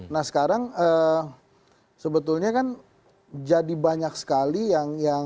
nah sekarang sebetulnya kan jadi banyak sekali yang